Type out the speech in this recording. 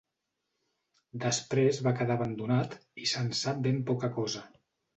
Després va quedar abandonat i se'n sap ben poca cosa.